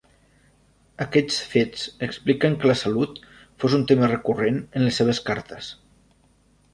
Aquests fets expliquen que la salut fos un tema recurrent en les seves cartes.